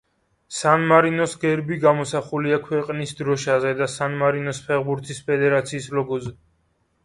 სან-მარინოს გერბი გამოსახულია ქვეყნის დროშაზე და სან-მარინოს ფეხბურთის ფედერაციის ლოგოზე.